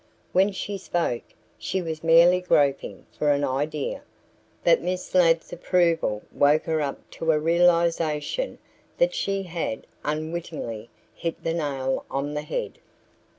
When she spoke, she was merely groping for an idea. But Miss Ladd's approval woke her up to a realization that she had unwittingly hit the nail on the head.